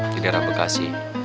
di daerah bekasi